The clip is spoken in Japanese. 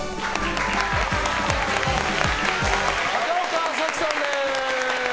高岡早紀さんです！